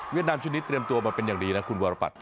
นามชุดนี้เตรียมตัวมาเป็นอย่างดีนะคุณวรปัต